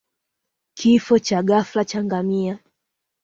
Kifo cha ghafla cha ngamia